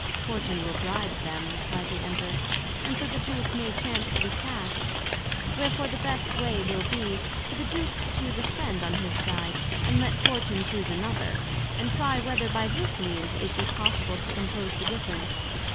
Fortune will bribe them, replied the Empress, and so the Duke may chance to be cast: Wherefore the best way will be, for the Duke to chuse a Friend on his side, and let Fortune chuse another, and try whether by this means it be possible to compose the Difference.